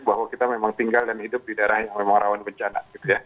bahwa kita memang tinggal dan hidup di daerah yang memang rawan bencana